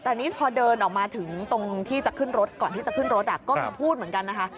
แต่นี่พอเดินออกมาถึงตรงที่จะขึ้นรถก่อนที่จะขึ้นรถก็มีพูดเหมือนกันนะคะ